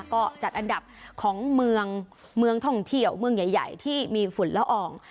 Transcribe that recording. ก็จัดอันดับของเมืองเมืองท่องเที่ยวเมืองใหญ่ที่มีฝุ่นละออง